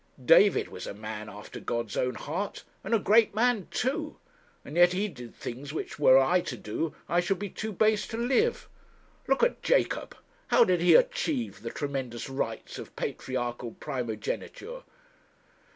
David was a man after God's own heart, and a great man too, and yet he did things which, were I to do, I should be too base to live. Look at Jacob how did he achieve the tremendous rights of patriarchal primogeniture?